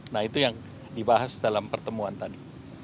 nah itu yang dibahas dalam pertemuan tadi